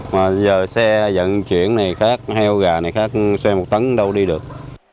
mà giờ xe dẫn chuyển này khác heo gà này khác xe một tấn đâu đi được